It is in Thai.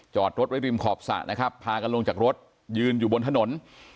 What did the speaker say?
จอดรถไว้ริมขอบสระนะครับพากันลงจากรถยืนอยู่บนถนน